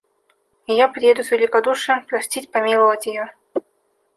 И я приеду с великодушием — простить, помиловать ее.